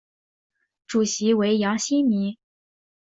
主席为杨新民。